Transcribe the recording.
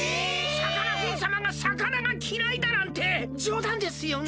さかなクンさまがさかながきらいだなんてじょうだんですよね？